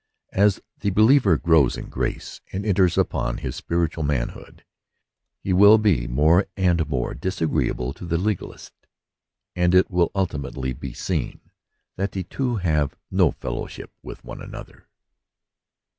As the believer grows in grace and enters upon his spirit ual manhood, he will be more and more disagree able to the legalist, and it will ultimately be seen that the two have no fellowship with one another.